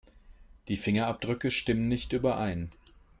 Die Fingerabdrücke stimmen nicht überein.